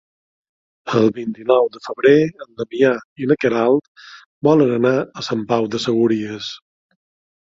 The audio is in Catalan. El vint-i-nou de febrer en Damià i na Queralt volen anar a Sant Pau de Segúries.